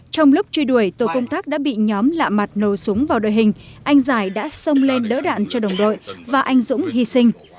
trong lúc truy đuổi tổ công tác đã bị nhóm lạ mặt nổ súng vào đội hình anh giải đã xông lên đỡ đạn cho đồng đội và anh dũng hy sinh